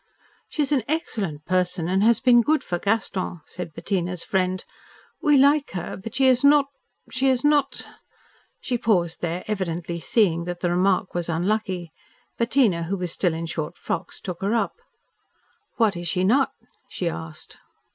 "She is an excellent person, and it has been good for Gaston," said Bettina's friend. "We like her, but she is not she is not " She paused there, evidently seeing that the remark was unlucky. Bettina, who was still in short frocks, took her up. "What is she not?" she asked.